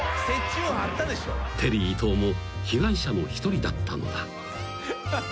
［テリー伊藤も被害者の一人だったのだ］